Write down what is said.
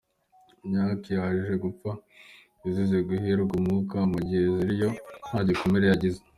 Nyack yaje gupfa izize guherwa umwuka, mu gihe Zuri yo nta n'igikomere yagize.